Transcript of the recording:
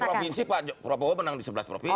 kalau mau provinsi pak jokowi menang di sebelas provinsi